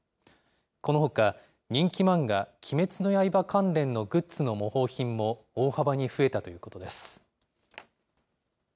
このほか人気漫画、鬼滅の刃関連のグッズの模倣品も、大幅に増えたということです。